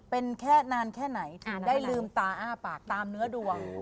เป็นแค่นานแค่ไหนถึงได้ลืมตาอ้าปากตามเนื้อดวง